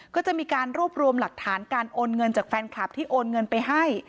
ก็จะมีการรวบรวมหลักฐานการโอนเงินจากแฟนคลับที่โอนเงินไปให้